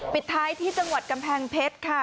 ปิดท้ายที่จังหวัดกำแพงเพชรค่ะ